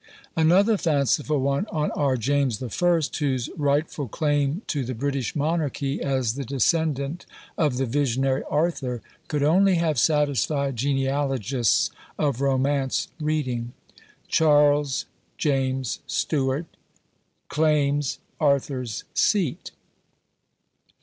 Another fanciful one on our James the First, whose rightful claim to the British monarchy, as the descendant of the visionary Arthur, could only have satisfied genealogists of romance reading: Charles James Steuart. CLAIMS ARTHUR'S SEAT.